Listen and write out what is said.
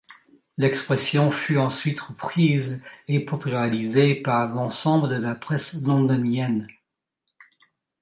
L'expression fut ensuite reprise et popularisée par l'ensemble de la presse londonienne.